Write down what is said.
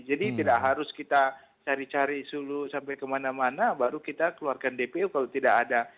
jadi tidak harus kita cari cari seluruh sampai kemana mana baru kita keluarkan dpo kalau tidak ada